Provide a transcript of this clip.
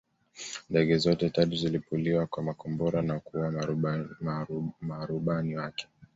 Ndege zote tatu zililipuliwa kwa makombora na kuua marubani wake